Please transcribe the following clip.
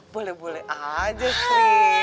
boleh boleh aja sri